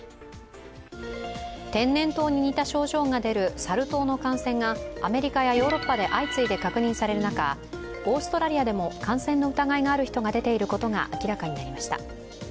天然痘に似た症状が出るサル痘の感染がアメリカやヨーロッパで相次いで確認される中、オーストラリアでも感染の疑いのある人が出ていることが明らかになりました。